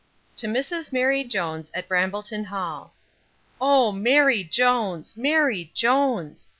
To Mrs MARY JONES, at Brambleton hall. O MARY JONES! MARY JONES!